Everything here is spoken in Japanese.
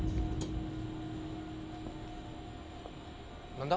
何だ？